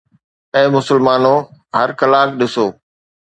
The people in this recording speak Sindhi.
اي مسلمانو! هر ڪلاڪ ڏسو